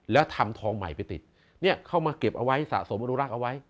แล้วทำทองใหม่ไปติดเนี่ยเข้ามาเก็บเอาไว้สะสมอนุรักษ์เอาไว้